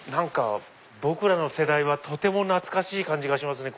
僕らの世代はとても懐かしい感じがしますね。